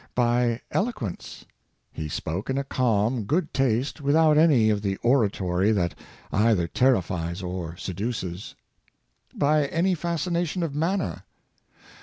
By eloquence.^ He spoke in a calm, good taste, without any of the oratory that either terrifies or seduces. By any fascination of manner.